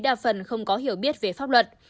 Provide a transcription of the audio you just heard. đa phần không có hiểu biết về pháp luật